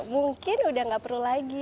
mungkin udah gak perlu lagi